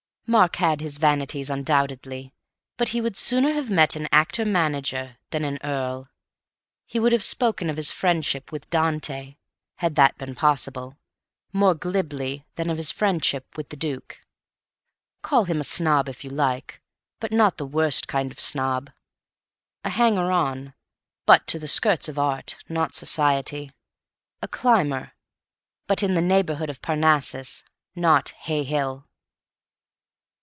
Mark had his vanities undoubtedly, but he would sooner have met an actor manager than an earl; he would have spoken of his friendship with Dante—had that been possible—more glibly than of his friendship with the Duke. Call him a snob if you like, but not the worst kind of snob; a hanger on, but to the skirts of Art, not Society; a climber, but in the neighbourhood of Parnassus, not Hay Hill.